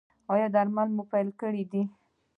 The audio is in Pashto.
ایا درمل مو پیل کړي دي؟